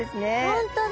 本当だ。